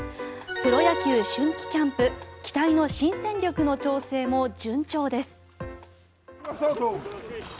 プロ野球春季キャンプ期待の新戦力の調整も順調です。